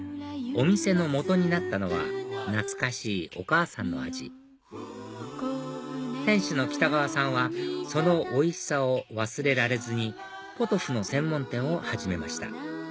お店のもとになったのは懐かしいお母さんの味店主の喜多川さんはそのおいしさを忘れられずにポトフの専門店を始めました